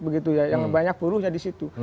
begitu ya yang banyak buruhnya di situ